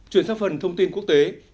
chuyển sang phần thông tin quốc tế